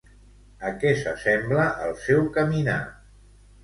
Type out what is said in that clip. A què s'assembla el seu caminar?